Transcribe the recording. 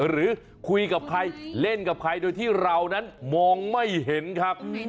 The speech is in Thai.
หรือคุยกับใครเล่นกับใครโดยที่เรานั้นมองไม่เห็นครับ